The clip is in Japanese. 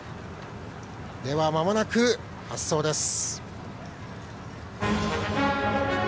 まもなく発走です。